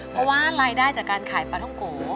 เพราะว่ารายได้จากการขายปลาท่องโก